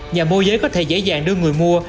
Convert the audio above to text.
nhà môi giới có thể dễ dàng đưa người mua